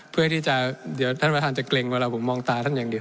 เพื่อที่จะเดี๋ยวท่านประธานจะเกรงเวลาผมมองตาท่านอย่างเดียว